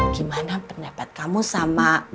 gimana pendapat kamu sama